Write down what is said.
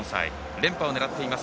連覇を狙っています。